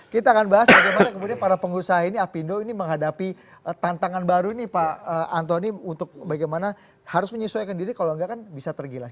kita akan bahas bagaimana kemudian para pengusaha ini apindo ini menghadapi tantangan baru ini pak antoni untuk bagaimana harus menyesuaikan diri kalau enggak kan bisa tergilas